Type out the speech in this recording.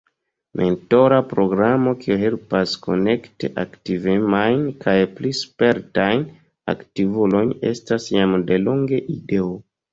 Mentora programo, kio helpas konekti aktivemajn kaj pli spertajn aktivulojn estas jam delonge ideo.